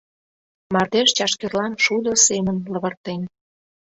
Мардеж чашкерлам шудо семын лывыртен.